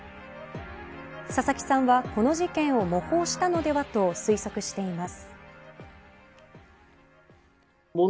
佐々木さんはこの事件を模倣したのではと推測しています。